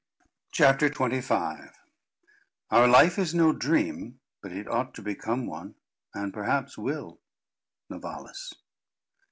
CHAPTER XXV "Our life is no dream; but it ought to become one, and perhaps will." NOVALIS.